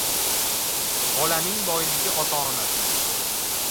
• Bolaning boyligi — ota-onasi.